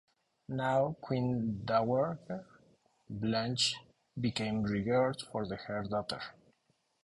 Now queen dowager, Blanche became regent for her daughter.